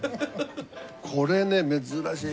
これね珍しい。